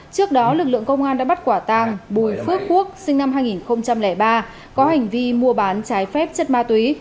trước đó lực lượng công an đã bắt quả tàng bùi phước quốc sinh năm hai nghìn ba có hành vi mua bán trái phép chất ma túy